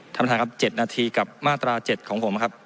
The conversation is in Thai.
ถ้าประทานครับเจ็ดนาทีกับมาตราเจ็ดของผมครับ